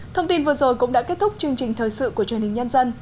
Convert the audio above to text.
thông tin vừa rồi cũng đã kết thúc chương trình thời sự của truyền hình nhân dân